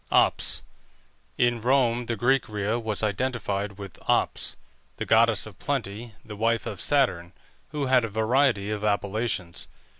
OPS. In Rome the Greek Rhea was identified with Ops, the goddess of plenty, the wife of Saturn, who had a variety of appellations.